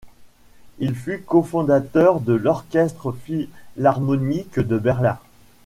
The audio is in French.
Il fut cofondateur de l'Orchestre philharmonique de Berlin.